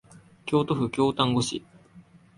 京都府京丹後市